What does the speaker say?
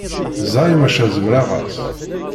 Ẓẓay maca zemreɣ-as.